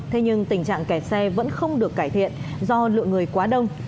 thế nhưng tình trạng kẹt xe vẫn không được cải thiện do lượng người quá đông